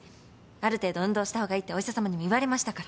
ある程度運動した方がいいってお医者さまにも言われましたから。